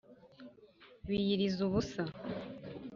biyiriza ubusa .